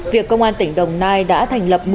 việc công an tỉnh đồng nai đã thành lập